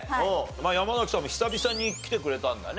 山さんも久々に来てくれたんだね。